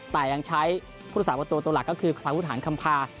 แต่ยังใช้ผู้ทราบตัวตัวหลักก็คือภาพพุทธฐานคำพา